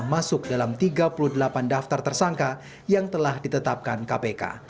masuk dalam tiga puluh delapan daftar tersangka yang telah ditetapkan kpk